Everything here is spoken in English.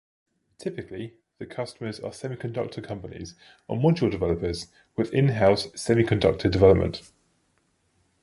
Typically, the customers are semiconductor companies or module developers with in-house semiconductor development.